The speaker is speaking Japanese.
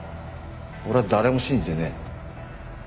俺は誰も信じてねえ。